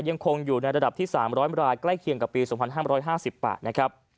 แสดงยังคงอยู่ในระดับที่๓๐๐บาทใกล้เคียงกับปี๒๕๕๐บาท